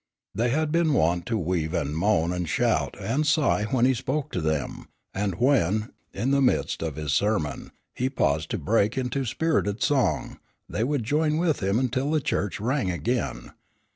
They had been wont to weave and moan and shout and sigh when he spoke to them, and when, in the midst of his sermon, he paused to break into spirited song, they would join with him until the church rang again.